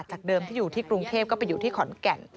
จากเดิมที่อยู่ที่กรุงเทพก็ไปอยู่ที่ขอนแก่น